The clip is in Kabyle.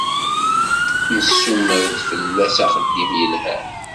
Nessumer-d fell-as axeddim yelhan.